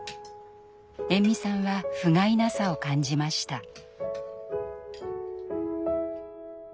延味さんはふがいなさを感じました。